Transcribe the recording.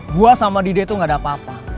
gue sama dede tuh gak ada apa apa